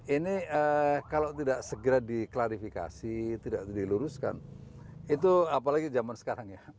ini kalau tidak segera diklarifikasi tidak diluruskan itu apalagi zaman sekarang ya